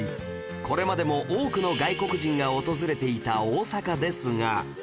これまでも多くの外国人が訪れていた大阪ですが